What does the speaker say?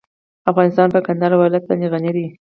افغانستان په کندهار ولایت باندې غني دی.